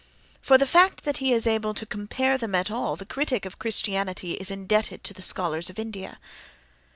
For the fact that he is able to compare them at all the critic of Christianity is indebted to the scholars of India.